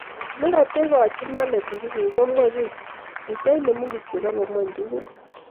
Negategochini Alex njuguk komwa kiy, katainemu kityo agomwa"njukuk"